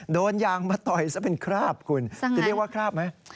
โดนยางมาต่อยซะเป็นคราบคุณจะเรียกว่าคราบไหม